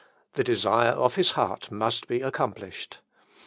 The desire of his heart must be accomplished.